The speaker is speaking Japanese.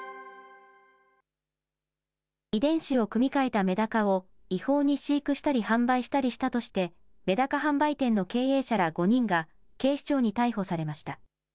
遺伝子を組み換えたメダカを違法に飼育したり販売したりしたとして、メダカ販売店の経営者ら５人が、警視庁に逮捕されました。